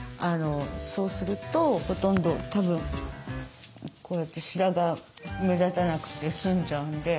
そうするとほとんどたぶんこうやって白髪目立たなくて済んじゃうんで。